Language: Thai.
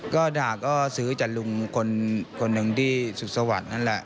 ก็ด่าก็ซื้อจากลุงคนหนึ่งที่สุขสวรรค์นั่นแหละ